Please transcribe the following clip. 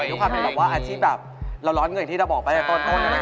ดูความเป็นภารกิจแบบเราร้อนเงินอย่างที่เราบอกไปในต้นนะค่ะ